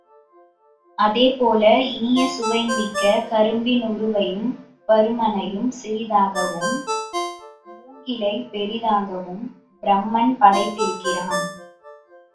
அதேபோல இனிய சுவை மிக்க கரும்பின் உருவையும் பருமனையும் சிறிதாகவும், மூங்கிலைப் பெரியதாகவும் பிரமன் படைத்திருக்கிறான்!